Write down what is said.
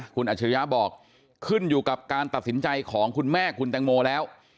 คุณอัจฉริยะบอกขึ้นอยู่กับการตัดสินใจของคุณแม่คุณแตงโมแล้ว